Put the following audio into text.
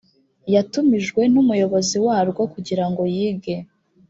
yatumijwe n umuyobozi warwo kugirango yige